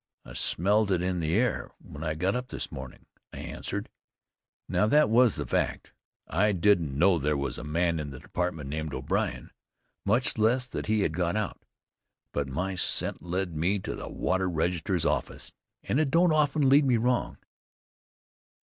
"I smelled it in the air when I got up this mornin'," I answered. Now, that was the fact. I didn't know there was a man in the department named O'Brien, much less that he had got out, but my scent led me to the Water Register's office, and it don't often lead me wrong.